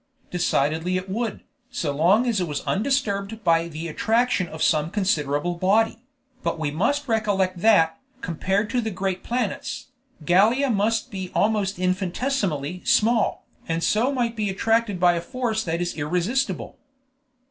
"Decidedly it would, so long as it was undisturbed by the attraction of some considerable body; but we must recollect that, compared to the great planets, Gallia must be almost infinitesimally small, and so might be attracted by a force that is irresistible."